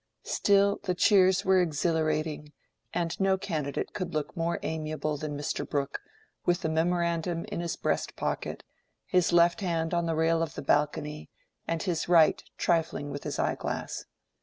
Still, the cheers were exhilarating, and no candidate could look more amiable than Mr. Brooke, with the memorandum in his breast pocket, his left hand on the rail of the balcony, and his right trifling with his eye glass.